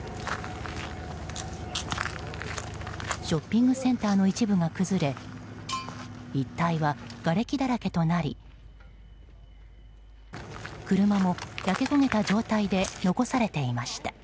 ショッピングセンターの一部が崩れ一帯はがれきだらけとなり車も焼け焦げた状態で残されていました。